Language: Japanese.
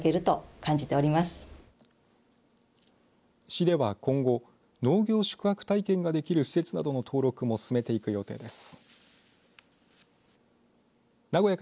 市では今後、農業宿泊体験ができる施設などの登録も進めていく予定です。